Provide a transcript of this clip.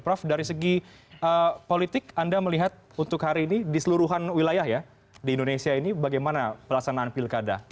prof dari segi politik anda melihat untuk hari ini di seluruhan wilayah ya di indonesia ini bagaimana pelaksanaan pilkada